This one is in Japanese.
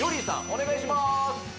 お願いします